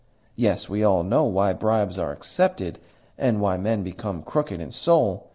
Yes, we all know why bribes are accepted, and why men become crooked in soul.